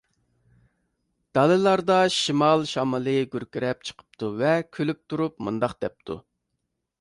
دالىلاردا شىمال شامىلى گۈركىرەپ چىقىپتۇ ۋە كۈلۈپ تۇرۇپ مۇنداق دەپتۇ.